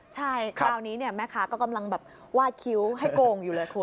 ใช่คราวนี้แม่ค้าก็กำลังแบบวาดคิ้วให้โกงอยู่เลยคุณ